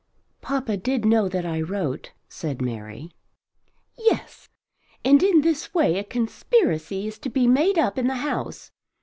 "Papa did know that I wrote," said Mary. "Yes; and in this way a conspiracy is to be made up in the house!